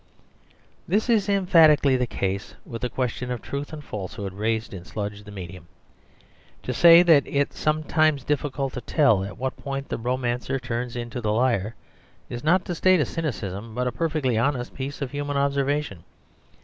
This is emphatically the case with the question of truth and falsehood raised in "Sludge the Medium." To say that it is sometimes difficult to tell at what point the romancer turns into the liar is not to state a cynicism, but a perfectly honest piece of human observation.